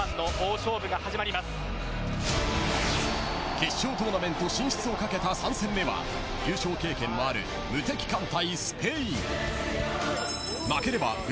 決勝トーナメント進出をかけた３戦目は優勝経験のある無敵艦隊